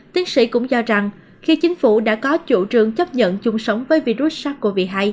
tiến sĩ cũng cho rằng khi chính phủ đã có chủ trương chấp nhận chung sống với virus sars cov hai